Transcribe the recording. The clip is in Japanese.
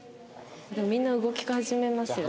みんな動き始めますよね。